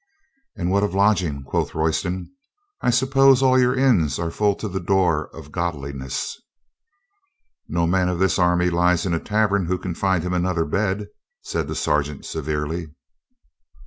"And what of a lodging?" quoth Royston. "I suppose all your inns are full to the door of god liness?" "No man of this army lies in a tavern who can find him another bed," said the sergeant severely.